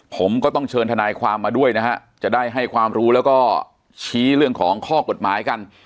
ผมก็ต้องเชิญทนายความมาด้วยนะฮะจะได้ให้ความรู้แล้วก็ชี้เรื่องของข้อกฎหมายกัน